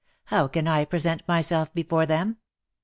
How can I present myself before them